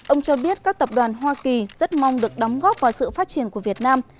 ông cho biết các tập đoàn hoa kỳ rất mong được đóng góp vào sự phát triển của việt nam